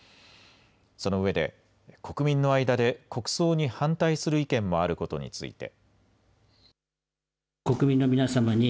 そのうえで国民の間で国葬に反対する意見もあることについて。